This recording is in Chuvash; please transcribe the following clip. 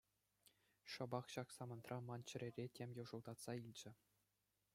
Шӑпах ҫак самантра ман чӗрере тем йӑшӑлтатса илчӗ.